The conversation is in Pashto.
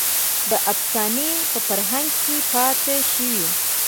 دا افسانې په فرهنګ کې پاتې شوې.